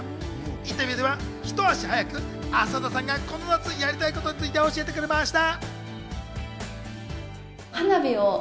インタビューではひと足早く浅田さんがこの夏やりたいことについて教えてくれました。